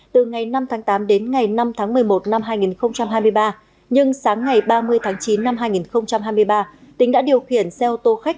từ ngày năm tháng tám đến ngày năm tháng một mươi một năm hai nghìn hai mươi ba nhưng sáng ngày ba mươi tháng chín năm hai nghìn hai mươi ba tính đã điều khiển xe ô tô khách